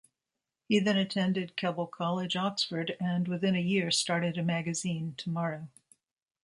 He then attended Keble College, Oxford, and within a year started a magazine "Tomorrow".